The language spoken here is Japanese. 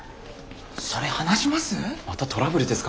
それ話します？